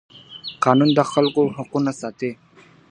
قانون د خلکو حقونه ساتي.